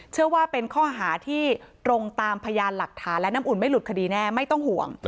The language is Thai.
เชื่อว่าเป็นข้อหาที่ตรงตามพยานหลักฐานและน้ำอุ่นไม่หลุดคดีแน่ไม่ต้องห่วง